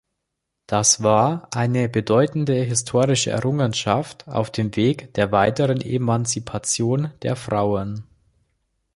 Das war eine bedeutende historische Errungenschaft auf dem Wege der weiteren Emanzipation der Frauen.